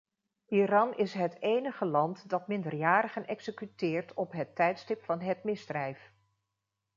Iran is het enige land dat minderjarigen executeert op het tijdstip van het misdrijf.